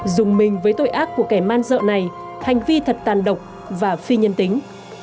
dùng mình với tội ác của kẻ man dợ này hành vi thật tàn độc và phi nhân tính